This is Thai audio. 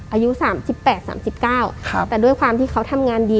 อายุ๓๘๓๙แต่ด้วยความที่เขาทำงานดี